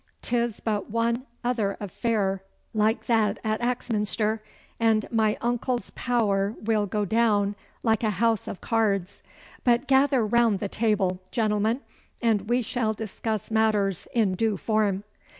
'Tis but one other affair like that at Axminster, and my uncle's power will go down like a house of cards. But gather round the table, gentlemen, and we shall discuss matters in due form.